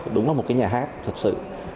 đúng là một cái nhà hát thật sự